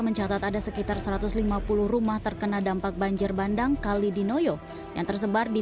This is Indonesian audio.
mencatat ada sekitar satu ratus lima puluh rumah terkena dampak banjir bandang kali dinoyo yang tersebar di